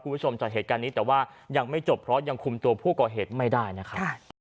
คุณผู้ชมจากเหตุการณ์นี้แต่ว่ายังไม่จบเพราะยังคุมตัวผู้ก่อเหตุไม่ได้นะครับ